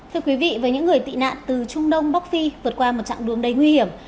thưa quý vị với những người tị nạn từ trung đông bắc phi vượt qua một chặng đường đầy nguy hiểm